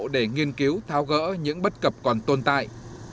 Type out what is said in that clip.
để nghiên cứu thao gỡ những bất cập còn tồn tại